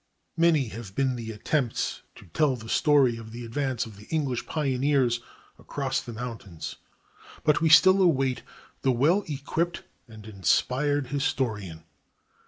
Many have been the attempts to tell the story of the advance of the English pioneers across the mountains, but we still await the well equipped and inspired historian.